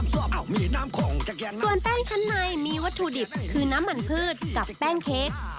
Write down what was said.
ส่วนแป้งชั้นในมีวัตถุดิบคือน้ำมันพืชกับแป้งเค้ก